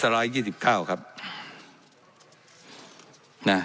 ไลด์ยี่สิบเก้าครับนะ